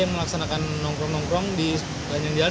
yang melaksanakan nongkrong nongkrong di sebuah jalan jalan